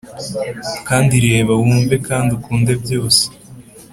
kandi reba, wumve kandi ukunde byose.